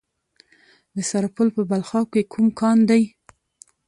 د سرپل په بلخاب کې کوم کان دی؟